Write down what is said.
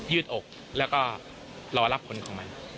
ืดอกแล้วก็รอรับผลของมัน